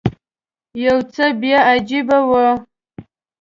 یو څه بیا عجیبه و.